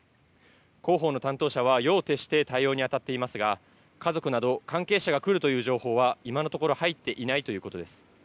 広報の担当者は夜を徹して対応に当たっていますが、家族など、関係者が来るという情報は今のところ、入っていないということです。